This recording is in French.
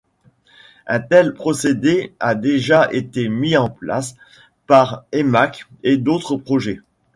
Un tel procédé a déjà été mis en place pour Emacs et d'autres projets.